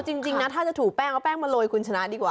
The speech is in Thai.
จริงนะถ้าจะถูกแป้งเอาแป้งมาโรยคุณชนะดีกว่า